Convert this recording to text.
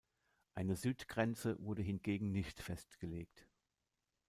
Eine Südgrenze wurde hingegen nicht festgelegt.